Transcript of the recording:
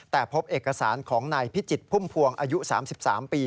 แต่พบเอกสารของนายพิจิตรพุ่มพวงอายุ๓๓ปี